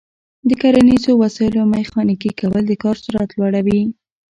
د کرنیزو وسایلو میخانیکي کول د کار سرعت لوړوي.